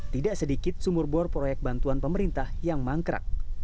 tidak sedikit sumur bor proyek bantuan pemerintah yang mangkrak